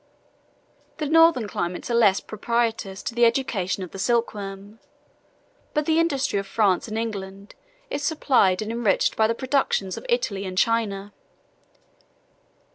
26 The northern climates are less propitious to the education of the silkworm; but the industry of France and England 27 is supplied and enriched by the productions of Italy and China.